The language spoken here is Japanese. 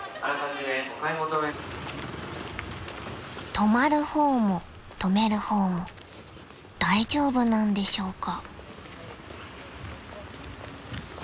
［泊まる方も泊める方も大丈夫なんでしょうか］